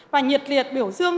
và nhiệt liệt biểu dương